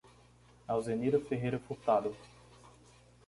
Alzenira Ferreira Furtado